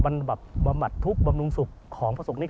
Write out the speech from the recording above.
บรรบบำบัดทุกข์บำรุงศุกร์ของพระศุกร์นี้